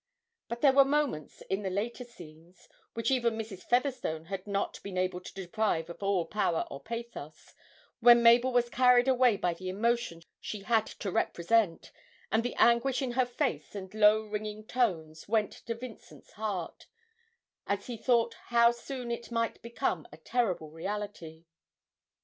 But there were moments in the later scenes (which even Mrs. Featherstone had not been able to deprive of all power or pathos) when Mabel was carried away by the emotion she had to represent, and the anguish in her face and low ringing tones went to Vincent's heart, as he thought how soon it might become a terrible reality.